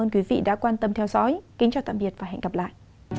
ơn quý vị đã quan tâm theo dõi kính chào tạm biệt và hẹn gặp lại